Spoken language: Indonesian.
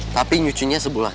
tapi nyucinya sebulan